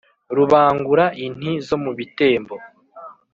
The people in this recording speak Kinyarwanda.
rubangura inti zo mu bitembo,